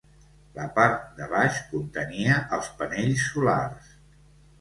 La part de baix contenia els panells solars.